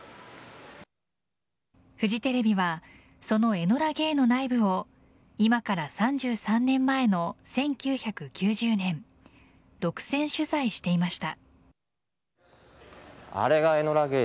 フジテレビはその「エノラ・ゲイ」の内部を今から３３年前の１９９０年独占取材していました。